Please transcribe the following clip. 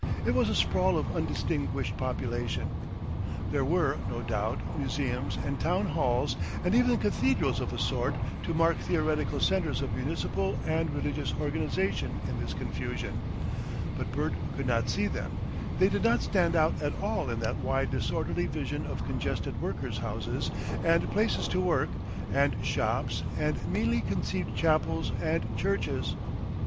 It was a sprawl of undistinguished population. There were, no doubt, museums and town halls and even cathedrals of a sort to mark theoretical centres of municipal and religious organisation in this confusion; but Bert could not see them, they did not stand out at all in that wide disorderly vision of congested workers' houses and places to work, and shops and meanly conceived chapels and churches.